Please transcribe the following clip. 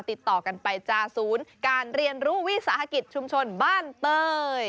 ติดต่อกันไปจ้าศูนย์การเรียนรู้วิสาหกิจชุมชนบ้านเต้ย